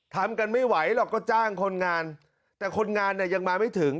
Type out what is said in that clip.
ทำกันไม่ไหวหรอกก็จ้างคนงานแต่คนงานเนี่ยยังมาไม่ถึง